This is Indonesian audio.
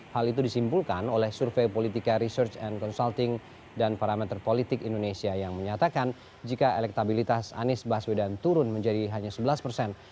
hal itu disimpulkan oleh survei politika research and consulting dan parameter politik indonesia yang menyatakan jika elektabilitas anies baswedan turun menjadi hanya sebelas persen